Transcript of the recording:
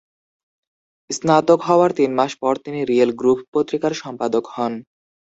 স্নাতক হওয়ার তিন মাস পর তিনি "রিয়েল গ্রুভ" পত্রিকার সম্পাদক হন।